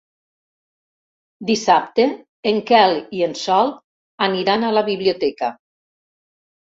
Dissabte en Quel i en Sol aniran a la biblioteca.